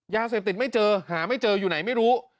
ยาเสพติดไม่เจอหาไม่เจออยู่ไหนไม่รู้